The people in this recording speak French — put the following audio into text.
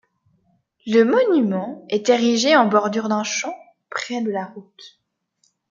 Le monument est érigé en bordure d'un champ, près de la route.